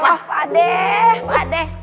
wah pak de pak de